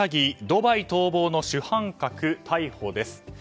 ドバイ逃亡の主犯格逮捕です。